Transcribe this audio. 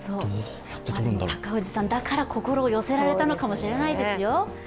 高氏さんだからこそ、心を寄せられたのかもしれないですよ。